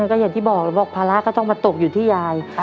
ก็อย่างที่บอกแล้วบอกภาระก็ต้องมาตกอยู่ที่ยาย